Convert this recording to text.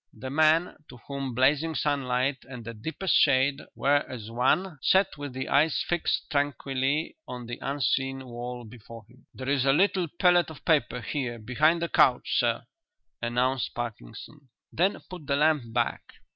The man to whom blazing sunlight and the deepest shade were as one sat with his eyes fixed tranquilly on the unseen wall before him. "There is a little pellet of paper here behind the couch, sir," announced Parkinson. "Then put the lamp back."